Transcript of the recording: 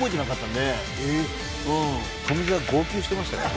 富澤号泣してましたからね。